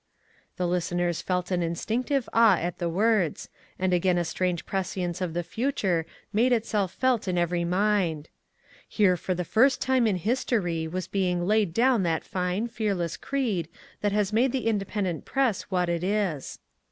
The listeners felt an instinctive awe at the words, and again a strange prescience of the future made itself felt in every mind. Here for the first time in history was being laid down that fine, fearless creed that has made the independent press what it is.